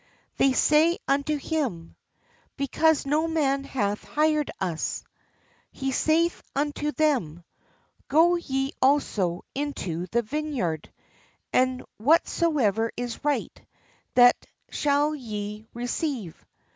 *' They say unto him : "Because no man hath hired us." He saith unto them : "Go ye also into the vineyard; and whatsoever 30 LABOURERS IN THE VINEYARD is right, that shall ye re ceive."